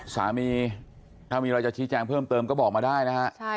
สามีถ้ามีอะไรจะชี้แจงเพิ่มเติมก็บอกมาได้นะฮะ